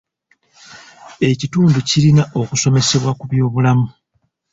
Ekitundu kirina okusomesebwa ku byobulamu.